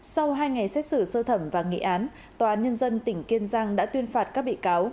sau hai ngày xét xử sơ thẩm và nghị án tòa án nhân dân tỉnh kiên giang đã tuyên phạt các bị cáo